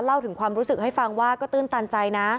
เล่าถึงความรู้สึกให้ฟังว่าก็ตื้นตันใจนะ